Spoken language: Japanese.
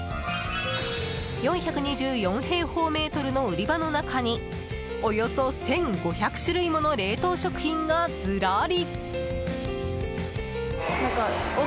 ４２４平方メートルの売り場の中におよそ１５００種類もの冷凍食品がずらり。